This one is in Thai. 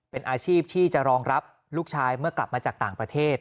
เป็นอาชีพที่จะรองรับลูกชายเมื่อกลับมาจากต่างประเทศ